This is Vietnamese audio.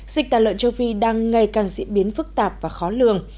dịch tà lợn châu phi đang ngày càng diễn biến phức tạp và khó lường